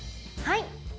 はい。